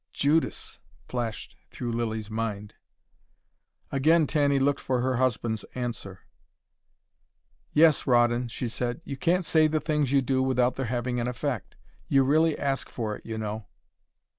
"Judas!" flashed through Lilly's mind. Again Tanny looked for her husband's answer. "Yes, Rawdon," she said. "You can't say the things you do without their having an effect. You really ask for it, you know."